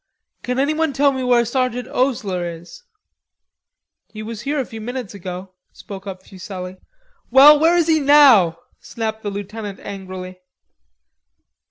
"Can anyone tell me where Sergeant Osler is?" "He was here a few minutes ago," spoke up Fuselli. "Well, where is he now?" snapped the lieutenant angrily.